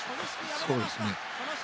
そうですね。